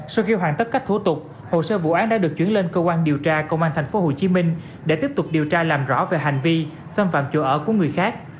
sau khi hoàn tất các thủ tục hồ sơ vụ án đã được chuyển lên cơ quan điều tra công an tp hcm để tiếp tục điều tra làm rõ về hành vi xâm phạm chủ ở của người khác